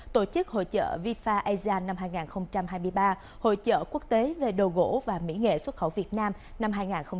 tổ chức hỗ trợ vifa asia năm hai nghìn hai mươi ba hỗ trợ quốc tế về đồ gỗ và mỹ nghệ xuất khẩu việt nam năm hai nghìn hai mươi ba